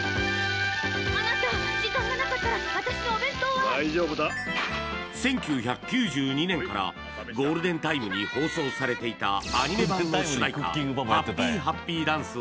あなた時間がなかったら私のお弁当は１９９２年からゴールデンタイムに放送されていたアニメ版の主題歌